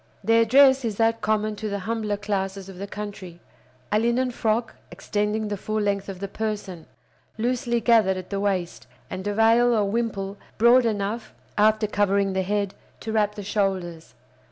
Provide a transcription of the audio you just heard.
Their dress is that common to the humbler classes of the country—a linen frock extending the full length of the person, loosely gathered at the waist, and a veil or wimple broad enough, after covering the head, to wrap the shoulders.